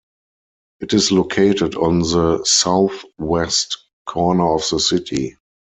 It is located on the southwest corner of the city.